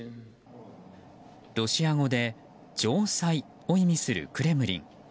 ロシア語で城塞を意味するクレムリン。